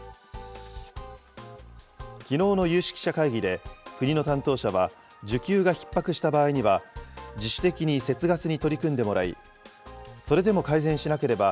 きのうの有識者会議で、国の担当者は、需給がひっ迫した場合には、自主的に節ガスに取り組んでもらい、それでも改善しなければ、